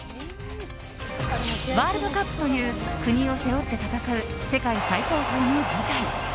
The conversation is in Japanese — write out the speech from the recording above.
ワールドカップという国を背負って戦う世界最高峰の舞台。